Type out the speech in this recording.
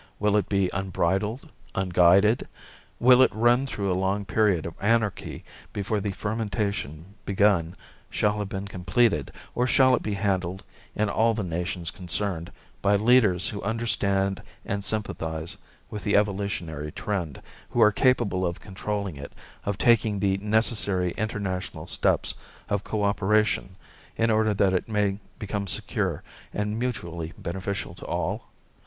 Will it be unbridled, unguided; will it run through a long period of anarchy before the fermentation begun shall have been completed, or shall it be handled, in all the nations concerned, by leaders who understand and sympathize with the evolutionary trend, who are capable of controlling it, of taking the necessary international steps of co operation in order that it may become secure and mutually beneficial to all?